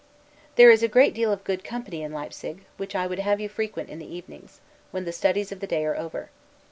There is a great deal of good company in Leipsig, which I would have you frequent in the evenings, when the studies of the day are over.